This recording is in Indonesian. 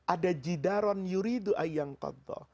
ada jidaron yuridu ayang koddoh